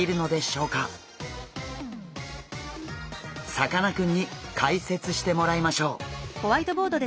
さかなクンに解説してもらいましょう。